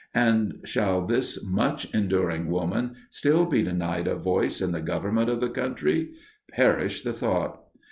And shall this much enduring woman still be denied a voice in the government of the country? Perish the thought.